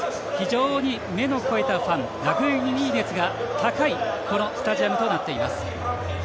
非常に目の肥えたファンラグビー熱が高いスタジアムとなっています。